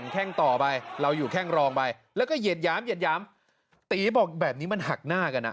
คือเหมือน